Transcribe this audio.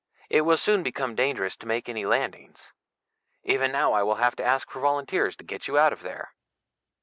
It will soon become dangerous to make any landings. Even now I will have to ask for volunteers to get you out of there."